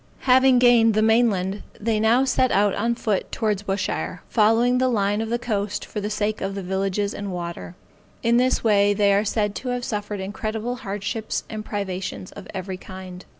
Having gained the main land they now set out on foot towards Bushire, following the line of the coast for the sake of the villages and water. In this they are said to have suffered incredible hardships and privations of every kind.